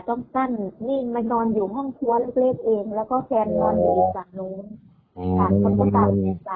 ต้องกั้นนี่มันนอนอยู่ห้องครัวเล็กเล็กเองแล้วก็แฟนนอนอยู่อีกฝั่งนู้น